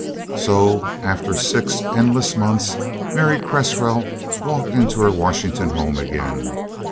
So after six endless months Mary Cresswell walked into her Washington home again.